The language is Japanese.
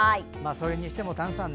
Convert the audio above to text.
それにしても丹さん